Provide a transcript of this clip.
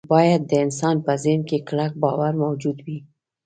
باید د انسان په ذهن کې کلک باور موجود وي